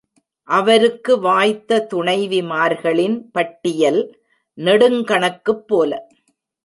அவருக்கு வாய்த்த துணைவிமார்களின் பட்டியல் நெடுங்கணக்குப் போல.